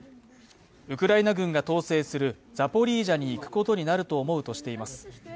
ウクライナ軍が統制するザポリージャに行くことになるとしています。